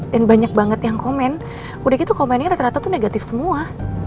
dan banyak banget yang komen udah gitu komennya ternyata tuh negatif semua